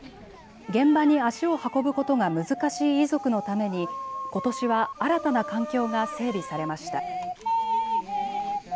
現場に足を運ぶことが難しい遺族のためにことしは新たな環境が整備されました。